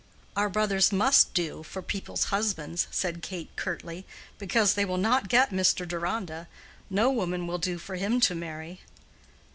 "Our brothers must do for people's husbands," said Kate, curtly, "because they will not get Mr. Deronda. No woman will do for him to marry."